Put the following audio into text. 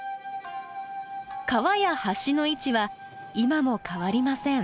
川や橋の位置は今も変わりません。